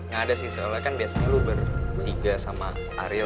gak ada sih soalnya kan biasanya lu bertiga sama ariel